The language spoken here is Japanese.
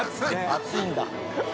熱いんだ。